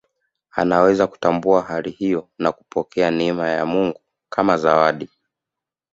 Anaweza kutambua hali hiyo na kupokea neema ya Mungu kama zawadi